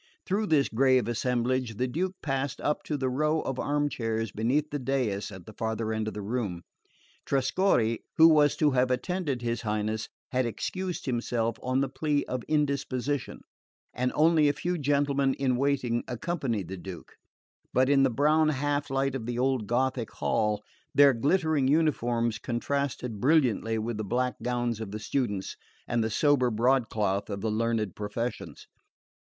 Through this grave assemblage the Duke passed up to the row of armchairs beneath the dais at the farther end of the room. Trescorre, who was to have attended his Highness, had excused himself on the plea of indisposition, and only a few gentlemen in waiting accompanied the Duke; but in the brown half light of the old Gothic hall their glittering uniforms contrasted brilliantly with the black gowns of the students, and the sober broadcloth of the learned professions.